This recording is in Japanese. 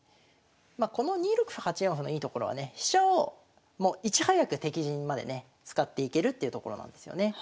まあこの２六歩８四歩のいいところはね飛車をいち早く敵陣までね使っていけるっていうところなんですよね。